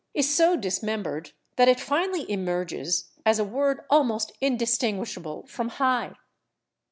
is so dismembered that it finally emerges as a word almost indistinguishable from /high